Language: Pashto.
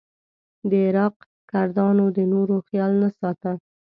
د عراق کردانو د نورو خیال نه ساته.